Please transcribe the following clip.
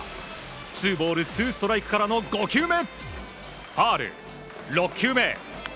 ツーボールツーストライクからの５球目。